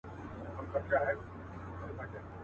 خو نه بینا سول نه یې سترګي په دعا سمېږي.